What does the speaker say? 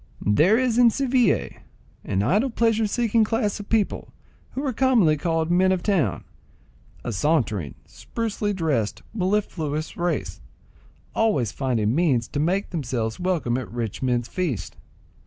There is in Seville an idle pleasure seeking class of people who are commonly called men on town, a sauntering, sprucely dressed, mellifluous race, always finding means to make, themselves welcome at rich men's feasts.